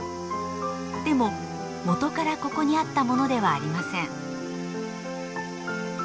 でも元からここにあったものではありません。